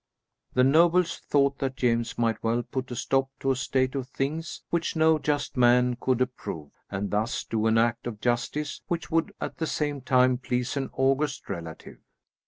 The nobles thought that James might well put a stop to a state of things which no just man could approve, and thus do an act of justice which would at the same time please an august relative.